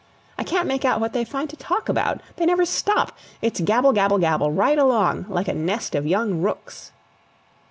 I can't make out what they find to talk about. They never stop; it's gabble, gabble, gabble right along, like a nest of young rooks!"